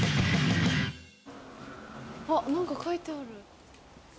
あっ何か書いてある。